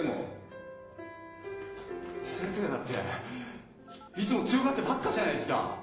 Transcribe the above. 先生だっていつも強がってばっかじゃないですか。